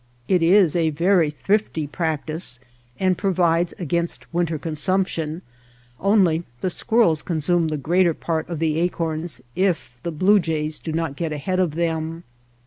It is a very thrifty practice and provides against winter consumption, only the squirrels consume the greater part of the acorns if the blue jays do not get ahead of them.